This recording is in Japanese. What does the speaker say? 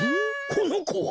このこは。